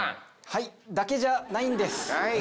はいだけじゃないんです。